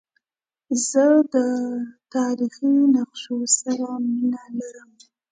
زه د تاریخي نقشو سره مینه لرم.